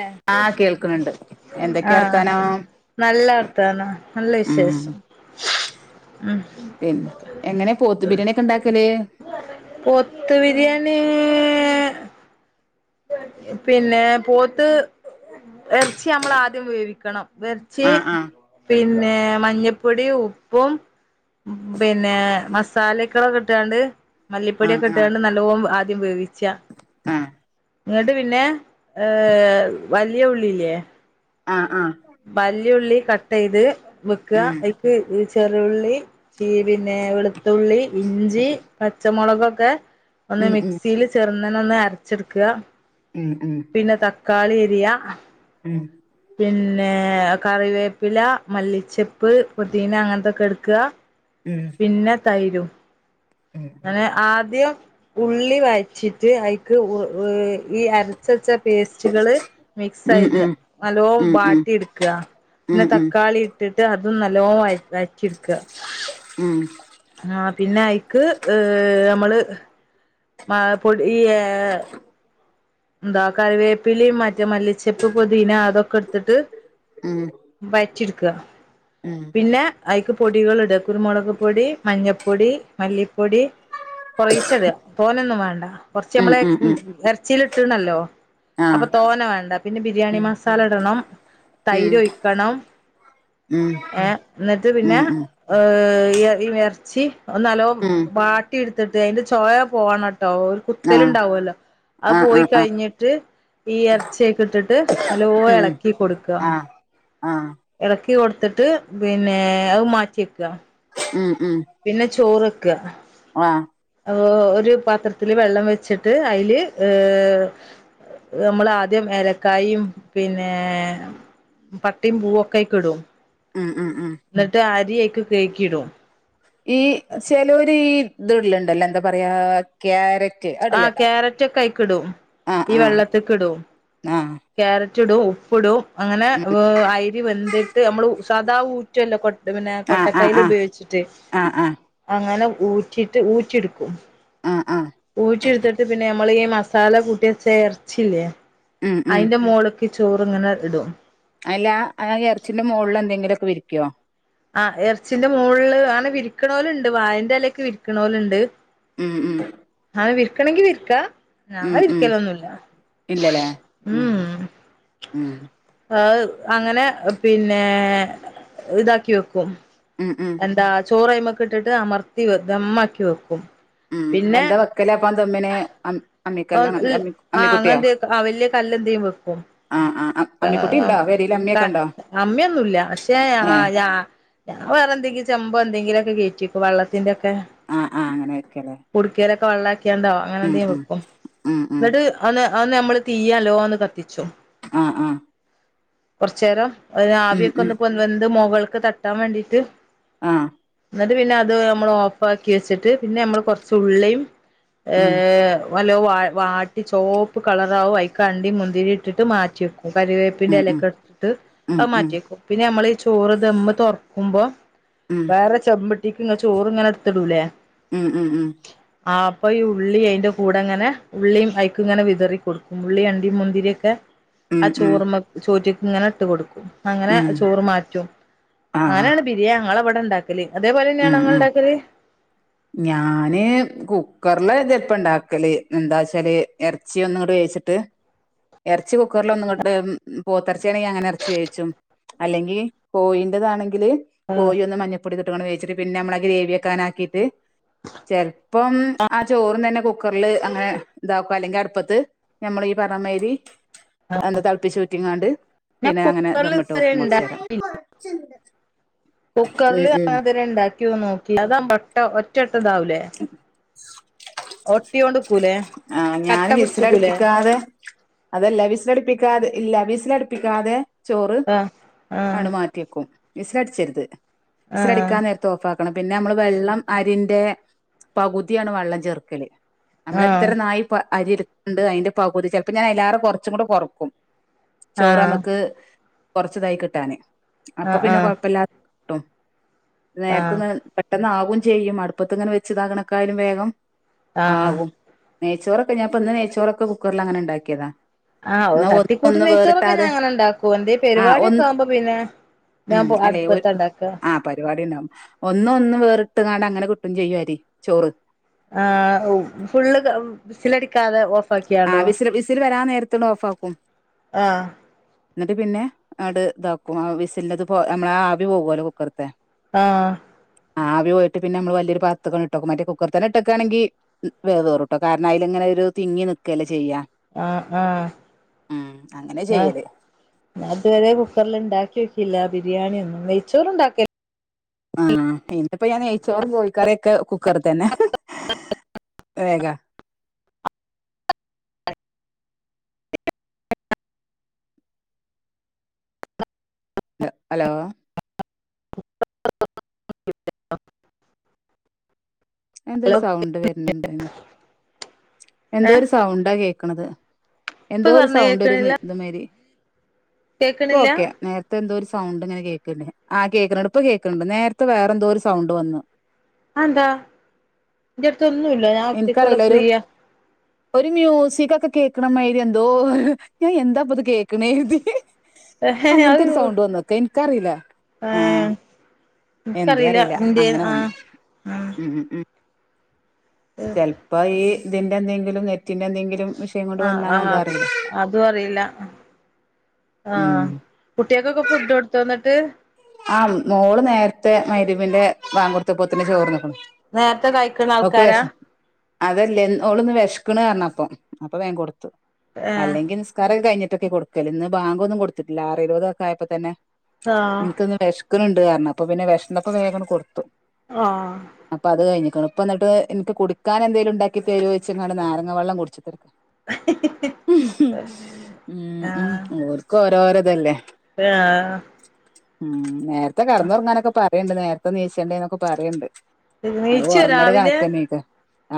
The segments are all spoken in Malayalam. എ ആഹ് കേൾക്കണണ്ട് അ എന്തൊക്കെയാ വർത്താനം നല്ലർത്താനം നല്ല ഉം വിശേഷം ഉം പിന്നെ എങ്ങനെ പോത്ത് ബിരിയാണി ഒക്കെ ഉണ്ടാക്കല് പോത്ത് ബിരിയാണീ പിന്നെ പോത്ത് എർച്ചി അമ്മള് ആദ്യം വേവിക്കണം വെർ ചി ആഹ് പിൻ പിന്നെ മഞ്ഞപ്പൊടി ഉപ്പും പിന്നെ മസാലക്കളൊകിട്ടാണ്ട് ആഹ് മല്ലിപ്പൊടിയൊക്കെ ആഹ് ഇട്ടാണ്ട് നല്ലോം ആദ്യം വേവിച്ച്യ ആഹ് നിട്ട് പിന്നെ ഏ വലിയ ഉള്ളില്ല്യെ ആ വല്ല്യഉള്ളി കട്ട് ചെൾയ്ത് വെക്കാ ഉം ഐക്ക് ചെറ്യുള്ളി, ചി പിന്നെ വെളുത്തുള്ളി, ഇഞ്ചി, പച്ചമുളകൊക്കെ ഒന്ന് ഉം മിക്സിയിൽ ചേർന്ന നന്നനെ ഒന്ന് അര്ച്ചെടുക്കാ ഉം ഉം പിന്നെ തക്കാളി എരിയാ ഉം പിന്നെ കറിവേപ്പില, മല്ലിച്ചെപ്പ്, പുദീന അങ്ങനത്തൊക്കെ എടുക്കാ ഉം പിന്നെ തൈരും അങ്ങനെ ആദ്യം ഉള്ളി വയട്ടിട്ട് അയ്ക്ക് ഓഓ ഈ അര് ചച്ച പേസ്റ്റുകള് മിക്സ് ഉം എയ്യ്ത് നല്ലോ ഉം ഉം വാട്ടി എടുക്കാ ഉം ഉം പിന്നെ ഉം ഉം തക്കാളി ഇട്ടിട്ട് അ അതും നല്ലോ വയ് വറ്റി എടുക്കുക. ഉം ആ പിന്നെ ഐക്ക് ഏ അമ്മള് മ പൊടി ഈയ എന്താ കറിവേപ്പിലേം മറ്റെ മല്ലി ചെപ്പ്, പൊതീന അതൊക്കെ എടുത്തിട്ട് ഉം ഉം വയ്റ്റിടുക്ക. ഉം പിന്നെ ഐക്ക് പൊടികൾ ഇട കുരുമുളക് പൊടി, മഞ്ഞപ്പൊടി മല്ലിപ്പൊടി കുറയിച്ചെട തോനൊന്നും വേണ്ട. കൊറച്ച് ഉം അമ്മളെ ഉം ഉം എർച്ചില് ട്ട്ണല്ലൊ ആഹ് അപ്പൊ തോന വേണ്ട പിന്നെ ബിരിയാണി ഉം മസാല ഇടണം ഉം തൈര് ഒയ്ക്കണം ഉം ഏ എന്നിട്ട് ഉം പിന്നെ ഏ് ഏ എർച്ചി ഒ നല്ലോ ഉം ഉം വാട്ടി എടുത്തിട്ട് അയിന്റെ ചോവ പോവണൊട്ടോ ഒരു കുത്തലുണ്ടാവുല്ലോ ആ ആ ആ ന്നിട് ഈ എർച്ചിയൊക്കെ ഇട്ടിട്ട് നല്ലോ ഉം എളക്കി കൊടുക്ക ആഹ് ആഹ് എളക്കി കൊട്ത്തിട്ട് പിന്നെ അത് മാറ്റി വെക്കാ. ഉം ഉം ചോറൊക്ക ആ അ ഒരു പാത്രത്തില് വെള്ളം വെച്ചിട്ട് അതില് ഏ നമ്മളാദ്യം ഏലക്കായും പിന്നെ പട്ടയും പൂവൊക്കെക്കെ ഇടും. ഉം ഉം ഉം എന്നിട്ട് അരിയയിക്ക് കെക്കിടും ഈ ചെലൊരു ഈ ഇത്ള്ളുണ്ടല്ല എന്താ പറയാ ക്യാര ആഹ ക്യാരറ്റ് ഒക്കെ അയിക്കിടും ആഹ് ഈ ആഹ് വെള്ളത്തിക്ക് ഇടും ആഹ് ക്യാര ക്യാരറ്റ് ഇടും ഉപ്പു ഇടും അങ്ങനെ ഉം അരി വെന്തിട്ട് നമ്മള് സാദാ ഊറ്റല്ലോ കൊട്ട പിന്നെ ആഹ് ആഹ് കൊട്ടക്കൈൽ ആഹ് ഉപയോഗിച്ചിട്ട് ആഹ് ആഹ് അങ്ങനെ ഊറ്റിട്ട് ഊറ്റെടുക്കും ആഹ് ആഹ് ഊറ്റി എടുത്തിട്ട് പിന്നെ നമ്മള് ഈ മസാല കൂട്യച്ച എർച്ചില്ലേ ഉം ഉം അയിന്റെ മോള് ചോറി ഇങ്ങനെ ഇടും അല്ല ആ ഇറച്ചിന്റെ മുകളിൽ എന്തെങ്കിലുമൊക്കെ വിരിക്കുവോ ആഹ് ഇറച്ചിന്റെ മുകളില് അങ്ങനെ വിരിക്കണോലുണ്ട് വായൻ്റെ എലൊക്കെ വിരിക്കണോല്ണ്ട് ഉം ഉം ആ വിരിക്കണം എങ്കിൽ വിരിക്കാം ഞാൻ ഉം ഉം വിരിക്കലൊന്നുമില്ല ഇല്ലല്ലേ ഉം ഉം ആഹ് അങ്ങനെ പിന്നെ ഇത കി വെക്കും ഉം ഉം ചോറൈമക്ക് ഇട്ടിട്ട് അമർത്തി വ ദമ്മാക്കി വെക്കും ഉം പിന്നെ എന്താ വെക്കല് അപ്പ ദമ്മിന് അ ആ അങ്ങന എന്ത വലിയ കല്ല് എന്തേലും വെക്കും ആഹ് ആഹ് അമ്മിക്കുട്ടി ഉണ്ടോ പെരേല് അമ്മിയൊക്കെ ഉണ്ടോ അമ്മയൊന്നുല്ല പക്ഷേ ആ ഏഹ് ഞാ വേറെ എന്തെങ്കിലും ചെമ്പോ എന്തെങ്കിലും വെക്കും കേ ക്കും വള്ളത്തിന്റെ ഒക്കെ ആഹ് ആ അങ്ങനെ വെക്കലേ വള്ളാക്കി ണ്ടോ അങ്ങെന്തെങ്കും വിക്കും ഉം ഉം ന്നിട്ട് അ നമ്മള് തീയലോന്ന് കത്തിച്ചും ആ ആഹ് കൊർച്ചേരം ഉം ആവിയൊക്കെ ഉം ഒന്ന് വന്ത് മൊകൾ ക്ക്തട്ടാൻ വേണ്ടീട്ട് ആഹ് ന്നിട്ട് പിന്നെ അത് മ്മള് ഓഫ് ആക്കി വെച്ചിട്ട് പിന്നെ മ്മള് കൊറച്ച് ഉള്ളീം ഉം ഏഹ് ലോ വാ വാട്ടി ചോപ്പ് കളറാവും അയിക്കാണ്ടി മുന്തിരി ഇട്ടിട്ട് മാറ്റിവെ കരിവേപ്പിന്റെ ഉം ഉം എലൊക്കെ ഇട്ട് ഉം അഅ് ഉം മാറ്റിവെക്കും പിന്നെ ഞമ്മള് ഈ ചോറ് ദം തൊറക്കും ക്കുമ്പൊ ഉം ഉം വേറെ ചെമ്പി ദീക്കിങ്ങ് ചോറിങ്ങനെടുത്തിടൂലെ ഉം ഉം ഉം ആ അപ്പൊ ഈ ഉള്ളി അയിന്റെ കൂ ടെങ്ങനെ ഉള്ളീം ഐക്കിങ്ങനെ വിതറി കൊടുക്കും ഉള്ളീം അണ്ടീം മുന്തിര്യക്കെ ആ ഉം ഉം ഉം ചോർമ്മെ ചോറ്റ് ഇങ്ങനെട്ട് കൊടുക്കും അങ്ങനെ ഉം ചോറ് മാറ്റും ആഹ് അങ്ങനാണ് ബിരിയാ ങ്ങളവ ടെണ്ടാക്കല് ഉം ഉം ഞാന് കുക്കർല് [unintelligible] ഇപ്പ ഇണ്ടാക്കല് എന്താച്ചാല് എറച്ചി ഒന്നങ്ങട്ട് വേവ്ച്ചിട്ട് എറച്ചി കുക്കറിലൊന്നങ്ങട്ട് പോത്തിറച്ചിയാണെങ്കി അങ്ങനെ എറച്ചി വേവിച്ചും അല്ലെങ്കി കോയിൻ്റതാണെങ്കില് ആഹ് കോയിയൊന്ന് മഞ്ഞപ്പൊടീതുട്ട് ങ്ങാണ്ട് വേ ച്ചിട്ട് പിന്നെ നമ്മള ഗ്രേവിയൊക്കങ്ങനാക്കിട്ട് ചെല പ്പം ആ ചോറും തന്നെ കുക്കറില് അങ്ങനെ ഇതാക്കു അല്ലെങ്കി അടുപ്പത്ത് ഞമ്മള് ഈ പറഞ്ഞമാരി ആഹ് എന്താ തളുപ്പിച്ചൂറ്റിങ്ങാണ്ട് ഞാൻ പിന്നെ അങ്ങനെ കുക്കറിൽ ദമ്മിട്ട് ഇതുവരെ വെക്കും കൊറച്ചേരം ഇണ്ടാക്കി ഉം ഉം ക്യു നോക്കി അതാമ്പൊ ഒട്ട ഒറ്റ ത്തതാവുലേ ആഹ് കട്ട ഞാന് പിടിച്ച്ക്കൂലേ വിസിലടിപ്പിക്കാതെ അതല്ല വിസിലടിപ്പിക്കാതെ ഇല്ല വിസിലട്പ്പിക്കാതെ ചോറ് ആഹ് ആഹ് ആണ്ട് മാറ്റിയെക്കും വിസ് ലടിച്ചരുത് ആഹ് വിസിലടിക്കാനേരത്ത് ഓഫാ ണം പിന്നെ അമ്മള് വെള്ളം അരീന്റെ പകുതിയാണ് വെള്ളം ചേർക്കല് നമ്മളെത്ര ആഹ് നായി പ അരിട് ഇണ്ട് അയിന്റെ പകുതി ചെലപ്പോ ഞാൻ അയ്ലേറെകൊറച്ചുംകൂടി കൊറക്കും ആഹ് ചോറമക്ക് കൊറച്ച്തായി കിട്ടാന് അപ്പൊ പിന്നെ ആഹ് കൊഴപ്പല്ലാ ട്ടും ആഹ് നേരത്തൊന്ന് പെട്ടെന്ന് ആവ് പ്പും ചെയ്യും അട്പത്ത്ങ്ങനെ വെച്ച് താക്ണെക്കായ്ലും വേഗം ആ നെയ്ചോറൊക്കെ ഞാൻപ്പന്ന് നെയ്ച്ചോറൊക്കെ കുക്കറിലങ്ങനെ ഇണ്ടാക്കിയതാ ആ ഓ തട്ടിക്കൂട്ടി നെയ്‌ച്ചോറൊക്കെ ഞാൻ അങ്ങനെ ഇണ്ടാക്കും എന്തേലും ആ ഒന്ന് പരിപാടിയൊക്കെ ആവുമ്പ പിന്നെ ഉം ഞാൻ അല്ലെ ഒരു അടുപ്പത്ത ഇണ്ടാക്ക ആ പരിപാടി ഉണ്ടാവും ഒന്ന് ഒന്നും വേറിട്ട്ങ്ങാണ്ട് അങ്ങനെ കിട്ടും ചെയ്യും അരി ചോറ് ആ ഫുള്ള് വിസ്‌ലടി ക്കാതെ ഓഫ് ആക്കിയേണ്ടോ. ത്ത് ചെന്ന് ഓഫാക്കും. ആഹ് എന്നിട്ട് പിന്നെ അങ്ങോട്ട് ഇതാക്കും, ആ വിസിലിന്റത് പോ നമ്മളെ ആവിപോവൂലോ കുക്കറിലത്തെ. ആഹ് ആവി പോയിട്ട് പിന്നെ നമ്മള് വലിയൊരു പാത്രത്തെ കൊണ്ടാകും, മറ്റേ കുക്കർ തന്നെ ഇട്ടക്കാണെങ്കിൽ വേവ് കേറൂട്ടോ, കാരണം അതിൽ ഇങ്ങനൊരു. തിങ്ങി നിക്കല്ലേ. ചെയ്യാ ആഹ് ആഹ് ഉം അങ്ങനെ ഞ ചെയ്യല് ഞാൻ ഇതുവരെ കുക്കറില് ഇണ്ടാക്കിയിട്ടില്ല. ബിരിയാണി ഒന്നും നെയ്ച്ചോറ് ഇണ്ടാക്കൽ. ആഹ് ഇന്നിപ്പോ ഞാൻ നെയ്ച്ചോറും കോഴിക്കറി ഒക്കെ കുക്കറ് തന്നെ വേഗ. ഹല ഹലോ [inaudible] എന്തൊരു സൗണ്ട് വരുന്നുണ്ടെന്ന് ഏഹ് എന്തോരു സൗണ്ടാ കേക്ക ക്കണത് ഇപ്പൊ എന്തൊരു പറഞ്ഞ സൗണ്ട് ഒരു കേൾക്കണില്ല ഇതുമാരി. ഇപ്പ കേൾക്കണില്ല ഓക്കേ നേരത്തെ എന്തോരു സ് സൗണ്ട് ഇങ്ങനെ കേക്കുന്നില്ല, ആഹ് കേക്കുന്നുണ്ട് ഇപ്പൊ കേക്കുന്നുണ്ട് നേരത്തെ വേറെ എന്തൊരു സൗണ്ട് വന്നു. അതെന്താ ഇന്റെ അടുത്തൊന്നുമില്ല ഞാൻ ഒറ്റക്ക് ഇവിടെ എനിക്കറിയില്ല ഒരു ഫ്രീയാ. ഒരു മ്യൂസികൊക്കെ കേക്ക്ണമാരി എന്തോ ഒരു ഞാൻ എന്താപ്പത്‌ കേക്ക്ണെ കര്തി ‌ എഹ് ഹെ ഹെ ഔ നിക്കറീല ആഹ് എന്തേ എനിക്കറിയില്ല അറീല ഇന്ത്യ അങ്ങനെ വന്നു ആഹ് ആഹ് ചെല്പപ്പ ഈ ഇതിന്റെന്തെകിലും നെറ്റ്ന്റെന്തെങ്കിലും ആഹ് ആഹ് അതും അറീല ഉം ആഹ് കുട്ട്യേകൊക്കെ ഫുഡ്‌ കൊടുത്തോന്ന ട്ട് ആഹ് മോള് നേരത്തെ മരുമിന്റെ വാങ്ക് കൊടുത്തപ്പത്തിന്റെ ചോറ് തിനക്ക് തിന്നു നേരത്തെ കഴിക്കുന്ന ആൾക്കാരാ അതല്ലേ ഓള് വിശക്കണ് പറഞ്ഞ അപ്പൊ വേമ് കൊടുത്തു ഏഹ് അല്ലെങ്കിൽ നിസ്കാരം കഴിഞ്ഞിട്ട് ഒറ്റക്ക് കൊടുക്കല് ഇന്ന് ബാങ്കൊന്നും കൊടുത്തിട്ടില്ല ആറ് ഇരുപതൊക്കെ ആയപ്പോ തന്നെ ആഹ് എനിക്കൊന്ന്‌ വിശക്കനുണ്ട് കാരണം അപ്പൊ പിന്നെ വിശന്നപ്പോ വേഗം കൊണ്ട് കൊടുത്തു ആഹ് അപ്പൊ അത് കഴിഞ്ഞിക്കണ് ഇപ്പ എന്നിട്ട് എനിക്ക് കുടിക്കാൻ എന്തേലും ഉണ്ടാക്കി തരുവെച്ച് നടന്നു നാരങ്ങ വെള്ളം കുടിച്ചിട്ട് ഉം ഉം ഉം ഓർക്കും ഓരേ ഓരേ ഇതല്ലേ ആ ഉം നേ രത്തെ കിടന്നുറങ്ങാനൊക്കെ പാ അണ്ട് നേരത്തെ എനീശണ്ടേ എന്നൊക്കെ പറയുണ്ട് എണീച്ചോ രാവിലെ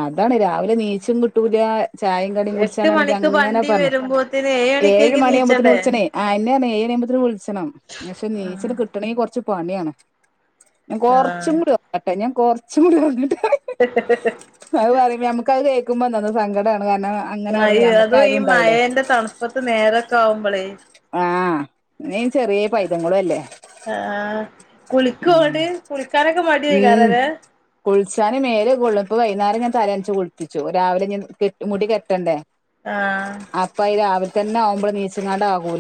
അതാണ് രാവിലെ എനീച്ചും കിട്ടൂല ചായും കടിയും എട്ട് കുടിച്ചാനാണെങ്കി മണിക്ക് അങ്ങനെ വണ്ടി പറഞ്ഞു വരുമ്പോത്തിന് ഏഴ് മണിക്കേക്ക് മണിയാവുമ്പോത്തന് നീച്ചണ്ടേ വിളിച്ചണേ ആ എന്നമ്മേ [unintelligible] [unintelligible] നീച്ചട്ട് കിട്ടണ കൊറ കുച്ചു പണിയാണ് കൊറച്ചും ആഹ് കൂടി ഉറങ്ങട്ടെ ഞാൻ കുറച്ചും കൂടി ഉറങ്ങട്ടെ അത് പറയുമ്പോ നമക്ക് അത് കേക്ക ക്കുമ്പം നല്ല സങ്കടമാണ് കാരണം അങ്ങനെ ഉറങ്ങി ആയി അത് ഈ ഞമ്മക്കായാലും ഉണ്ടാവൂലേ മഴേന്റെ തണുപ്പത്ത് നേരൊക്കെ ആവുമ്പോളേ ആ ആ കുളിക്കുവോ ഉം ഓര് കുളിക്കാനൊക്കെ മടി കണിക്കാറ് കുളിച്ചാ മേല് കൊള്ളും ഇപ്പ വൈകേരം ഞാൻ തലനച്ച് കുളിപ്പിച്ചു രാവിലെ ഞാൻ കെ മുടി കെട്ടണ്ടേ ആഹ് അപ്പ ഇത് രാവി തന്നെ ആവുമ്പോ നീച്ചങ്ങാട്ട് ആകും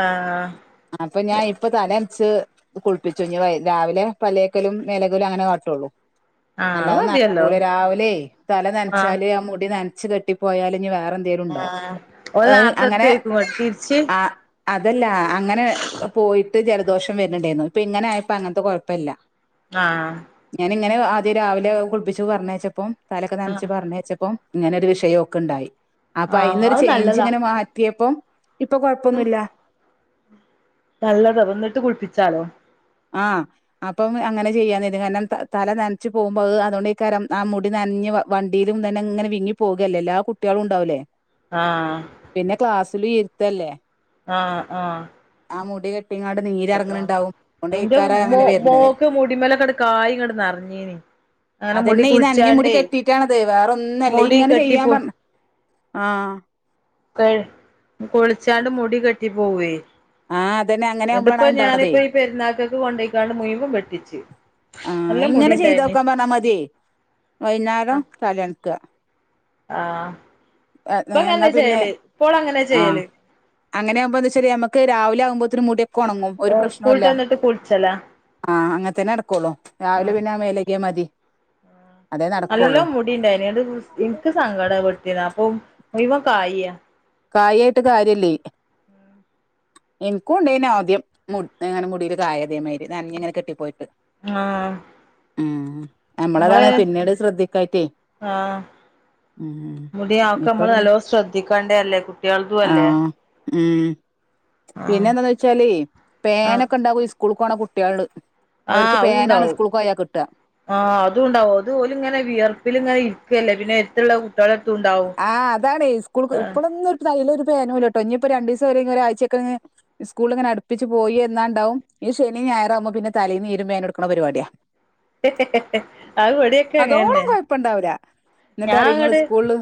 ആഹ് അപ്പൊ ഞാൻ ഇപ്പ തല ച്ച് കുളിപ്പിച്ചു ഇനി രാവിലെ പല്ലേക്കലും മേലഗലും അങ്ങനെ കാട്ടുള്ളൂ ആഹ് അത് അല്ലാതെ മതിയല്ലോ നടക്കൂല രാവിലെ തല നനച്ചാല് ആ മുടി ന ച്ച് കെട്ടിപ്പോയാല് ഇനി വേറെ എന്തേലും ആ ഉണ്ടാവും ഓല് നേരതെത്തേക്കും തിരിച്ച് അതല്ലാ അങ്ങനെ പോയിട്ട് ജല ദോഷം വരുന്നുണ്ടായിരുന്നു ഇപ്പ ഇങ്ങനെ ആയപ്പോ അങ്ങനത്തെകൊയപ ഇല്യ ആഹ ഇങ്ങനെ ആദ്യം രാവിലെ കുളിപ്പിച്ചു പറഞ്ഞച്ചപ്പം തലൊക്കെ നനച്ചു ആഹ് പറഞ്ഞേച്ചപ്പം ഇങ്ങനൊരു വിഷയ ഓക്ണ്ടായി അപ്പൊ ആഹ് അയിന്നൊരു അത് ചേഞ്ച് നല്ലതാ ഇങ്ങനെ മാറ്റിയപ്പം ഇപ്പൊ കൊഴപ്പൊന്നുഇല്ല നല്ലതാ വന്നിട്ട് കുളിപ്പിച്ചാലോ ആഹ്അപ്പംഅങ്ങനെചെയ്യാന്ന കര്തിതലനനച്ചുപോകുമ്പോ അതോണ്ടേകാരംആമുടി നനഞ്ഞ് വണ്ടിലും തന്നെ ഇങ്ങനെ വിങ്ങി പോകയല്ലേ എല്ലാ കുട്ടികളും ഇണ്ടാവൂലേ ആഹ ഫുൾഇര്ത്തല്ലേ ആഹ ആഹ ആ മുടി കട്ടി [unintelligible] കുങ്ങാട് നീരെ റങ്ങണണ്ടാവും അതിന്റെ മ മോക്ക് മുടിമല കെട കായം കട നിറഞ്ഞീ അങ്ങനെ മുടി അതന്നെ ഈ നനഞ്ഞ മുടി കുഴിച്ചണ്ടേ കെട്ടിയിട്ടാണത് മുടി കെട്ടിപ്പോ ആഹ ക കുളിച്ചാണ്ട് മുടി കെട്ടി പോവേ? എന്നിട്ടിപ്പ ഞാനിപ്പോ ഈ പെരുന്നാക്കൊക്കെ കൊണ്ടോയിക്കാണ്ട് മുഴുവൻ വെട്ടിച്ച് നല്ല ആഹഅതന്നെഅങ്ങനെആകവുമ്പോളാണ്ഇണ്ടണതേആഹ മുടി ഇങ്ങനെ ഇണ്ടായിനി ചെയ്തോക്കാൻ പറഞ്ഞാ മതിയേ വൈകുന്നേരം തലൻക്ക ആഹ എന്നാ പിന്നെ ആഹ ചെയ്യല് അങ്ങനൊവുമ്പോച്ചരി നമക്ക് രാവിലെകമ്പത് ഒത്തിരി മുടൊക്കെ ഒണങ്ങുംപ്രശ്നമല്ല സ്കൂളിട്ട് വന്നിട്ട് കുളിച്ചലാ ആഹ അങ്ങനെ തന്നെ നടക്കുള്ളൂ രാവിലെ പിന്നെ മേലേഗ്യാമതി നല്ല മുടിണ്ടായിന എനിക്ക് സങ്കടം വെട്ടന അപ്പൊ മുഴുവൻ കായ കായായിട്ട് കാര്യല്ലേഎനിക്കും ഇണ്ടനെ ആദ്യം മുടിൽഇങ്ങനെ മുടിൽ കായതേ മ നനഞ്ഞഇങ്ങനെ കെട്ടിപ്പോയി ആ നമ്മള് നമ്മളതാണ് പിന്നീട് ശ്രദ്ധിക്കായിട്ടേ ആഹ ഉം മുടി ആ ഒക്കെ ഇപ്പൊ നമ്മൾ പിന്നെ നല്ലോ ശ്രദ്ധിക്കണ്ടെ ല്ലേ കുട്ടികൾതും അല്ലേ ആഹ് ഉം പിന്നെ ആഹ് എന്താന്ന് വെച്ചാല് പേനൊക്കെ ഉണ്ടാകും സ്കൂൾ പോണ കുട്ടികള് ആഹ അവർക്ക് പേനാണ് അതണ്ടാവും സ്കൂൾക്ക് പോയാ കിട്ടുക ആ അതുംണ്ടാവും അത് ഓല് ഇങ്ങനെ വിയർപ്പിൽ ഇങ്ങനെ ഇരിക്കല്ലേ പിന്നെ കുട്ടളം ആഹ് അതാണ് സ്കൂൾ ഇപ്പഴന്ന തല പേന കേട്ടോ ഇനി ഇപ്പോൊ രണ്ട ദിവസം വരെങ്ക ഒഴ്ചക്ക സ്കൂള ഇങ്ങന അടുപ്പിച്ച പോയി എന്നാണ്ടും ശനി ഞായറാവുമ്പോന്നെ തലേൽീരുമ്പോേന എടുക്കണ പരിപടിയാ [unintelligible] ആ പടിയൊക്കെ അതോളം അങ്ങന്നെ കൊഴപ്പണ്ടാവൂല ഞാ എന്നിട്ടറിയും ഇങ്ങള് അങ്ങടെ സ്കൂളില്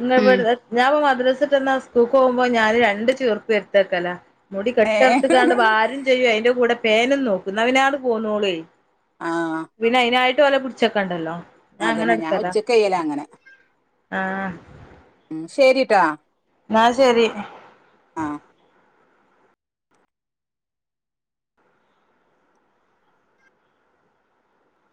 ഇ ഇവിടെ ഞാപ്പ മദ്രസട്ടാ [unintelligible] പോകുമ്പോ ഞാൻ രണ്ട് ചെർുപ്പ് എടുത്തേക്കല മുടി ഏഹ് കെട്ടിറത്ത് കാണ്ട് ആരും ചെയ്യും അതിന്റെ കൂടെ പേനും നോക്കുന്നുവിനാട് പോന്നോളെ ആഹ് വിനായിന ആയിട്ട് പോലെ പിടിച്ചൊക്ക ഉണ്ടല്ലോ അതന്നെ ഞാൻ ഉച്ചക്കയ്യല അങ്ങനെ ആഹ ഉം ശരിട്ടാ എന്നാ ശരി ആഹ